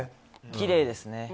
きれいですね。